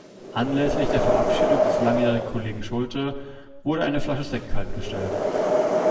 Anlässlich der Verabschiedung des langjährigen Kollegen Schulte, wurde eine Flasche Sekt kaltgestellt.